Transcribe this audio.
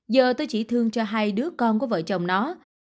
giờ tôi chỉ thương cho hai đứa con của vợ chồng nó